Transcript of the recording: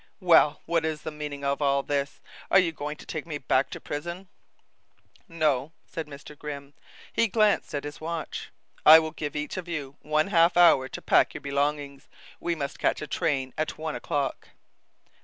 "Well, what is the meaning of all this? Are you going to take me back to prison?" "No," said Mr. Grimm. He glanced at his watch. "I will give each of you one half hour to pack your belongings. We must catch a train at one o'clock."